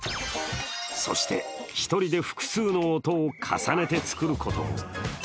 そして１人で複数の音を重ねて作ることも。